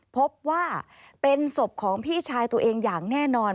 พบว่าเป็นศพของพี่ชายตัวเองอย่างแน่นอน